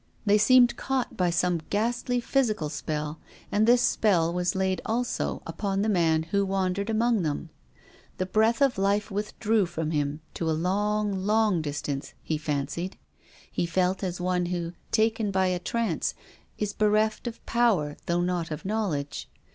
They seemed caught by some ghastly physical spell. And this spell was laid also upon the man who wandered among them. The breath of life withdrew from him to a long, long distance — he fancied. He felt as one who, taken by a trance, is bereft of power though not of knowledge.